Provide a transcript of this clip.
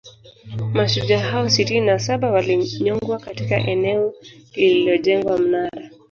Mashujaa hao sitini na saba walinyongwa katika eneo lililojengwa Mnara